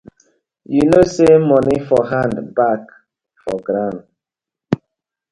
Yu kow say moni for hand back na grawn.